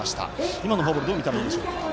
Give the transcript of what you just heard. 今のフォアボールどう見たらいいんでしょうか？